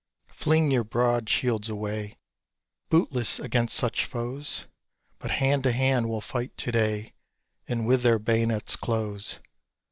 Fling your broad shields away Bootless against such foes; But hand to hand we'll fight to day And with their bayonets close.